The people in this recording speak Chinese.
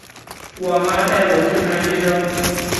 我妈带我去看医生